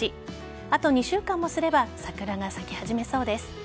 あと２週間もすれば桜が咲き始めそうです。